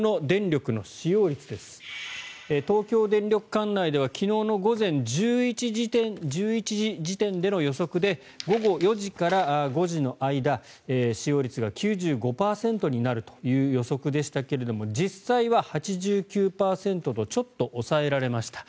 管内では昨日の午前１１時時点での予測で午後４時から５時の間使用率が９５％になるという予測でしたが実際は８９％とちょっと抑えられました。